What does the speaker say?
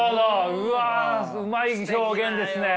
うわうまい表現ですね。